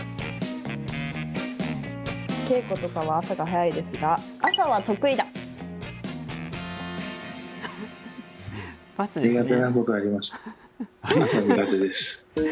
稽古とかは朝は早いですが、朝は得意だ？×ですね。